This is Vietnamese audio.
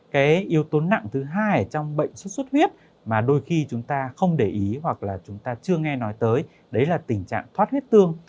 cái yếu tố nặng thứ hai trong bệnh xuất xuất huyết mà đôi khi chúng ta không để ý hoặc là chúng ta chưa nghe nói tới đấy là tình trạng thoát huyết tương